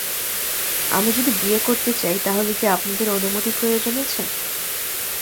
আমি যদি বিয়ে করতে চাই তাহলে কি আপনাদের অনুমতি প্রয়োজন আছে?